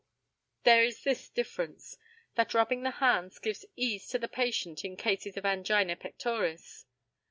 There is this difference, that rubbing the hands gives ease to the patient in cases of angina pectoris.